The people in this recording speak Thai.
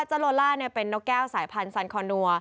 โลล่าเป็นนกแก้วสายพันธันคอนัว